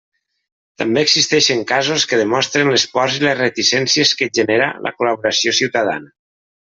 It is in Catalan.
També existeixen casos que demostren les pors i les reticències que genera la col·laboració ciutadana.